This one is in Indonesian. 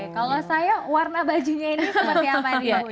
oke kalau saya warna bajunya ini seperti apa